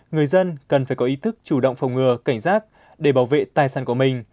người dân cần phải có ý thức chủ động phòng ngừa cảnh giác để bảo vệ tài sản của mình